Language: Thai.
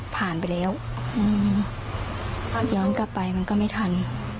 ถ้าย้อนกลับไปมันก็ไม่ทัน